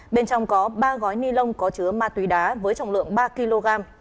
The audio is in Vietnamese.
bên trong có ba gói ni lông có chứa ma túy đá với trọng lượng ba kg